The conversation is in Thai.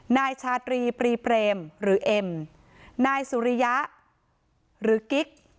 นายชาตรีปรีเปรมหรือเอ็มนายสุริยะหรือกิ๊ก